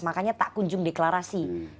makanya tak kunjung deklarasi